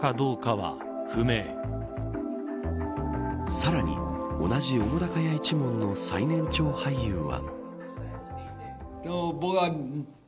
さらに、同じ澤瀉屋一門の最年長俳優は。